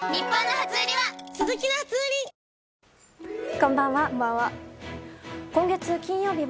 こんばんは。